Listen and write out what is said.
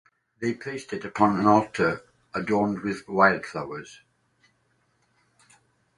They placed it upon an altar adorned with wildflowers.